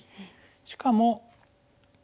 しかも。